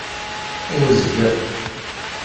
Ay azger!